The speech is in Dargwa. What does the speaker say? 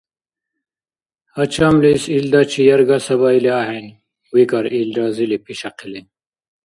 — Гьачамлис илдачи ярга сабаили ахӀен, — викӀар, ил разили пишяхъили.